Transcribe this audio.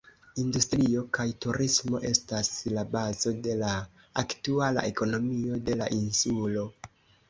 Industrio kaj turismo estas la bazo de la aktuala ekonomio de la insulo.